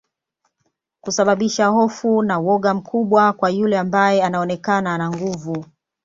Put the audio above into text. Kusababisha hofu na woga mkubwa kwa yule ambae anaonekana ana nguvu